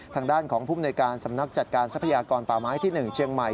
ทางด้านของภูมิในการสำนักจัดการทรัพยากรป่าไม้ที่๑เชียงใหม่